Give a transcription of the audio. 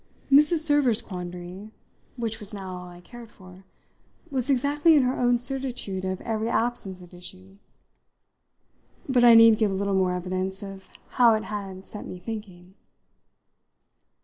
Mrs. Server's quandary which was now all I cared for was exactly in her own certitude of every absence of issue. But I need give little more evidence of how it had set me thinking.